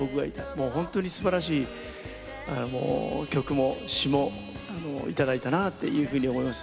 もう本当にすばらしい曲も詞も頂いたなっていうふうに思います。